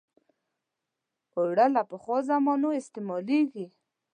اوړه له پخوا زمانو استعمالېږي